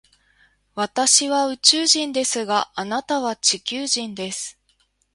私は宇宙人ですが、あなたは地球人です。